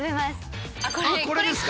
あっこれですか。